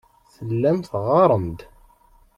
Tellam teɣɣarem-d.